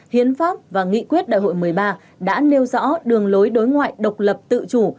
hiến pháp và nghị quyết đại hội một mươi ba đã nêu rõ đường lối đối ngoại độc lập tự chủ